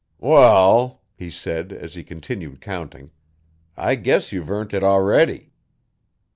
'Wall,' he said, as he continued counting, 'I guess you've earnt it already.